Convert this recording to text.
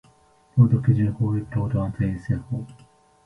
労働基準法及び労働安全衛生法